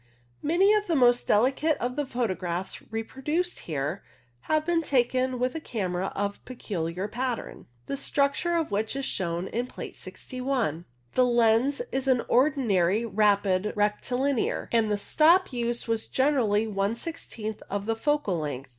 Many of the most delicate of the photographs reproduced here have been taken with a camera of peculiar pattern, the structure of which is shown in Plate 61. The lens is an ordinary rapid rectilinear. 172 CLOUD PHOTOGRAPHY and the stop used was generally one sixteenth of the focal length.